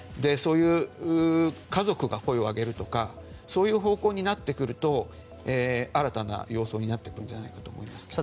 そういう家族が声を上げるとかそういう方向になってくると新たな様相になってくると思います。